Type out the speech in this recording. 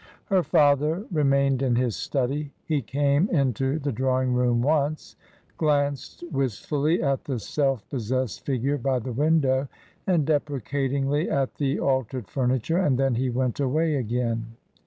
Her father remained in his study. He came into the drawing room once, glanced wistfully at the self pos sessed figure by the window and deprecatingly at the altered furniture, and then he went away again.